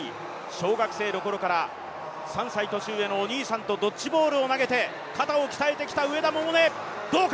小学生の頃から３歳年上のお兄さんとドッジボールを投げて肩を鍛えてきた上田百寧、どうか！